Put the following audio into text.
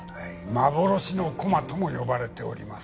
幻の駒とも呼ばれております。